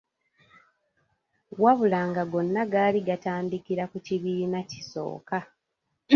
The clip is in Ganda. Wabula nga gonna gaali gatandikira ku kibiina kisooka.